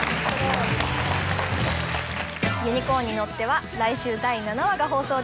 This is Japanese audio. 『ユニコーンに乗って』は来週第７話が放送です。